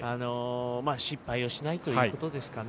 失敗をしないということですかね。